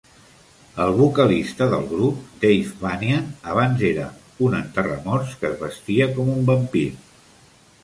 El vocalista del grup, Dave Vanian, abans era un enterramorts que es vestia com un vampir.